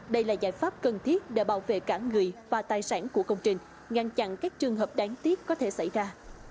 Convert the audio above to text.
đây là giải pháp cần thiết để bảo vệ cả người và tài sản của công trình ngăn chặn các trường hợp đáng tiếc có thể xảy ra